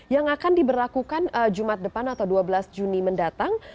yang akan diberlakukan jumat depan atau dua belas juni mendatang